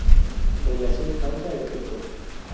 Relación causa-efecto.